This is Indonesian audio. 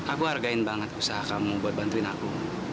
aku hargain banget usaha kamu buat bantuin aku